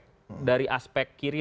dari aspek kiri dan aspek kanan